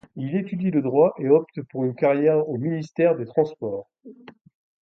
Il étudie le droit et opte pour une carrière au ministère des Transports.